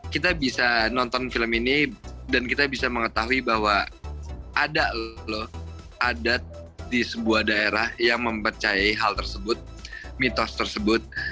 kita bisa nonton film ini dan kita bisa mengetahui bahwa ada loh adat di sebuah daerah yang mempercayai hal tersebut mitos tersebut